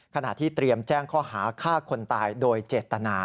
ขณะที่เตรียมแจ้งข้อหาฆ่าคนตายโดยเจตนา